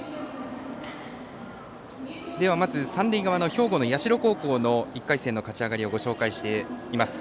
ではまず三塁側の兵庫の社高校の１回戦の勝ち上がりをご紹介しています。